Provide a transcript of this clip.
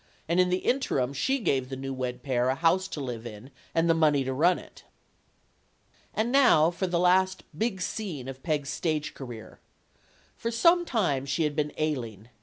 And in the interim she gave the new wed pair a house to live in and the money to run it. And now for the last "big scene of Peg's stage career: For some time she had been ailing.